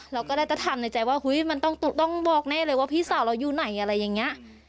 เราก็ได้แต่ทำในใจว่าเฮ้ยมันต้องบอกแน่เลยว่าพี่สาวเราอยู่ไหนอะไรอย่างนี้